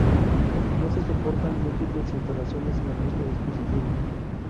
No se soportan múltiples instalaciones en el mismo dispositivo.